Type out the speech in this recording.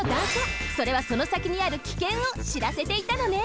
それはそのさきにある危険を知らせていたのね。